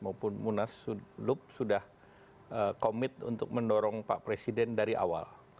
apun munas lup sudah komit untuk mendorong pak presiden dari awal